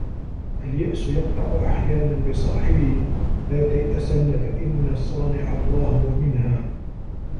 الْيَأْسُ يَقْطَعُ أَحْيَانًا بِصَاحِبِهِ لَا تَيْأَسَنَّ فَإِنَّ الصَّانِعَ اللَّهُ وَمِنْهَا